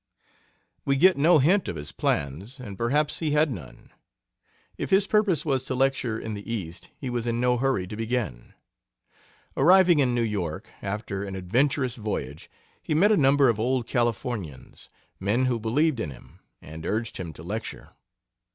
We get no hint of his plans, and perhaps he had none. If his purpose was to lecture in the East, he was in no hurry to begin. Arriving in New York, after an adventurous voyage, he met a number of old Californians men who believed in him and urged him to lecture.